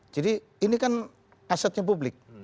jadi ini kan asetnya publik